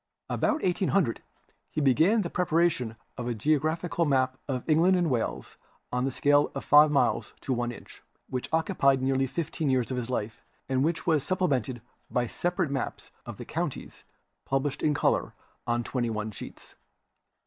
About 1800 he began the preparation of a geological map of England and Wales on a scale of five miles to one inch, which occupied nearly fifteen years of his life and which was supplemented by separate maps of the counties published in color on twenty one sheets.